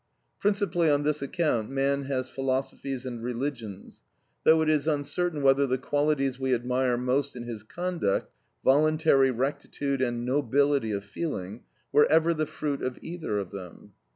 Principally on this account man has philosophies and religions, though it is uncertain whether the qualities we admire most in his conduct, voluntary rectitude and nobility of feeling, were ever the fruit of either of them.